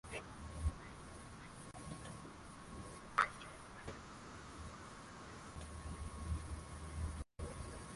nasi bila hiyana wala kinyongo cha aina yoyote